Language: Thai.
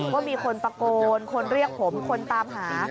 ว่ามีคนตะโกนคนเรียกผมคนตามหา